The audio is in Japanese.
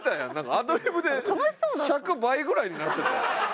アドリブで尺倍ぐらいになってたやん。